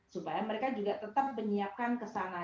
supaya mereka juga tetap menyiapkan kesana